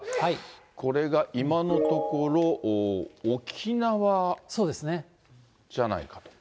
これが今のところ、沖縄じゃないかと。